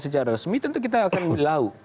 secara resmi tentu kita akan hilau